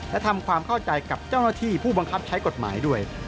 และทำความเข้าใจกับเจ้าหน้าที่ผู้บังคับใช้กฎหมายด้วย